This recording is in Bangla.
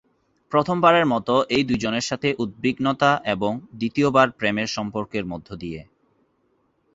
প্রথমবারের মতো এই দুজনের সাথে উদ্বিগ্নতা এবং দ্বিতীয়বার প্রেমের সম্পর্কের মধ্য দিয়ে।